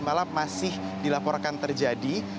malah masih dilaporkan terjadi